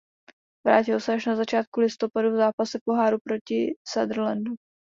Vrátil se až na začátku listopadu v zápase poháru proti Sunderlandu.